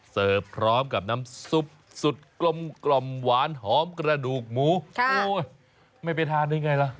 เสิร์ฟพร้อมกับน้ำซุปสุดกลมหวานหอมกระดูกหมูโอ้ยไม่ไปทานได้ไงล่ะ